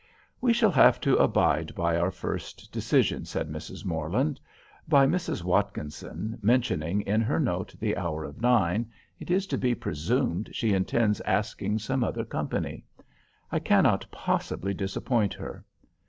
"We shall have to abide by our first decision," said Mrs. Morland. "By Mrs. Watkinson, mentioning in her note the hour of nine, it is to be presumed she intends asking some other company. I cannot possibly disappoint her.